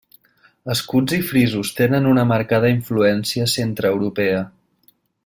Escuts i frisos tenen una marcada influència centreeuropea.